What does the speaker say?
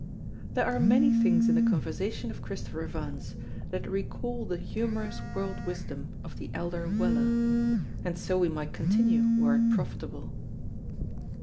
There are many things in the conversation of Christopher Vance that recall the humorous world wisdom of the elder Weller; and so we might continue, were it profitable.